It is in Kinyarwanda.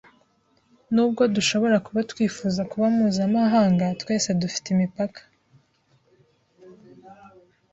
Nubwo dushobora kuba twifuza kuba mpuzamahanga, twese dufite imipaka.